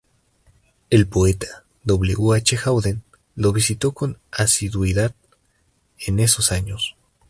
El poeta W. H. Auden lo visitó con asiduidad en esos años.